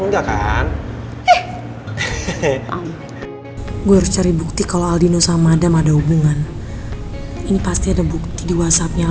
gue cari bukti kalau alinu sama adam ada hubungan ini pasti ada bukti di whatsappnya